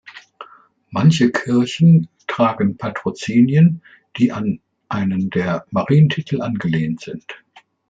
Manche Kirchen tragen Patrozinien, die an einen der Marientitel angelehnt sind.